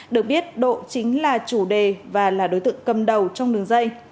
được biết độ chính là chủ đề và là đối tượng cầm đầu trong đường dây